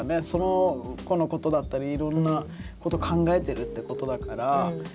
その子のことだったりいろんなこと考えてるってことだから。